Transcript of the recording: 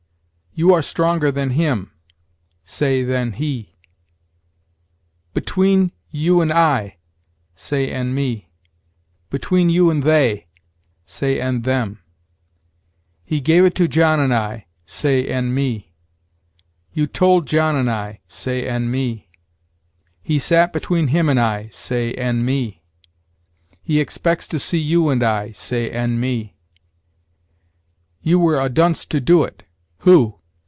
"You are stronger than him": say, than he. "Between you and I": say, and me. "Between you and they": say, and them. "He gave it to John and I": say, and me. "You told John and I": say, and me. "He sat between him and I": say, and me. "He expects to see you and I": say, and me. "You were a dunce to do it. Who?